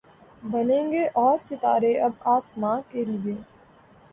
بنیں گے اور ستارے اب آسماں کے لیے